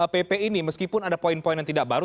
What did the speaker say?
pp ini meskipun ada poin poin yang tidak baru